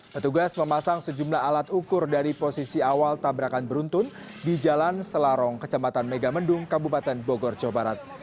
petugas memasang sejumlah alat ukur dari posisi awal tabrakan beruntun di jalan selarong kecamatan megamendung kabupaten bogor jawa barat